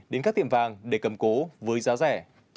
đến các tiệm vàng để cầm cố với giá rẻ